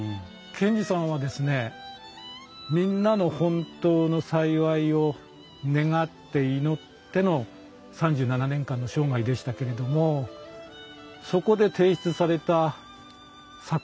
賢治さんはみんなの本当の幸いを願って祈っての３７年間の生涯でしたけれどもそこで提出された作品生き方はですね